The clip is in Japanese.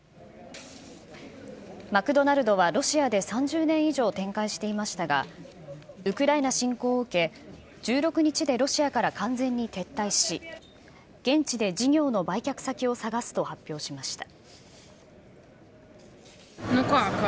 マクドナルドはロシアで３０年以上展開していましたが、ウクライナ侵攻を受け、１６日でロシアから完全に撤退し、現地で事業の売却先を探すと発表しました。